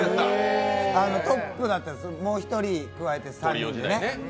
トップだったんです、もう一人、くわえて３人でね。